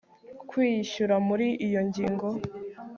kwiyishyura muri iyo ngingo